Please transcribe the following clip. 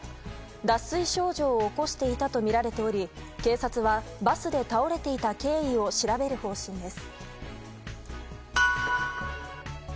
脱水症状を起こしていたとみられており警察は、バスで倒れていた経緯を調べる方針です。